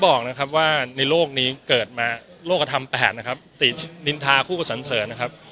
อย่างที่บอกว่าในโลกนี้เกิดมาโรคธรรมแปดนินทาคู่กับสัญเสริญนะครับ